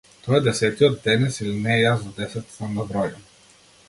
Тој е десетиот денес, или не, јас до десет знам да бројам.